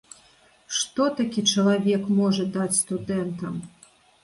Што такі чалавек можа даць студэнтам?